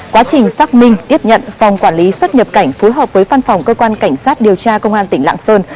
quá trình xác minh tiếp nhận phòng quản lý xuất nhập cảnh phối hợp với phân phòng cơ quan cảnh sát điều tra công an tỉnh lạng sơn